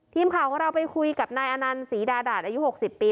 ทีมข่าวของเราไปคุยกับนายอนันต์ศรีดาดาตอายุ๖๐ปี